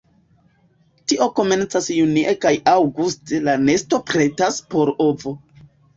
Tio komencas junie kaj aŭguste la nesto pretas por ovo.